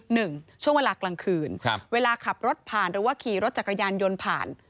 หนึ่งช่วงเวลากลางคืนครับเวลาขับรถผ่านหรือว่าขี่รถจักรยานยนต์ผ่าน